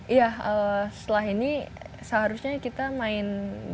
iya setelah ini seharusnya kita main